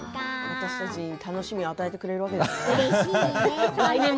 私たちに楽しみを与えてくれるんですね。